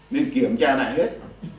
nên kiểm tra này hết